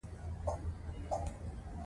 په خپلو منځونو کې تېرېدنه کوئ.